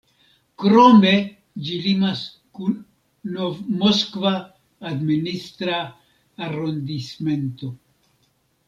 Krome, ĝi limas kun Nov-Moskva administra arondismento.